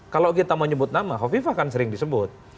kalau kita mau nyebut nama kovifah kan sering disebut